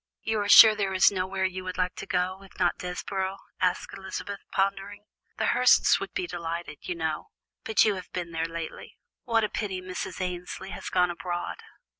"You are sure there is nowhere you would like to go, if not Desborough?" asked Elizabeth, pondering. "The Hursts would be delighted, I know, but you have been there lately; what a pity Mrs. Annesley has gone abroad."